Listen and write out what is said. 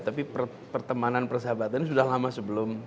tapi pertemanan persahabatan sudah lama sebelum